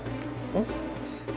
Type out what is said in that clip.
takut dipukul tuan